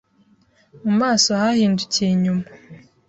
Mu maso hahindukiye inyuma